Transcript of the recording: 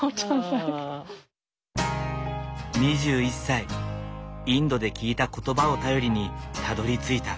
２１歳インドで聞いた言葉を頼りにたどりついた。